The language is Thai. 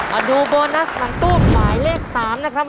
มาดูโบนัสหลังตู้หมายเลข๓นะครับ